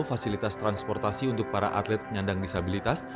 fasilitas transportasi untuk para atlet penyandang disabilitas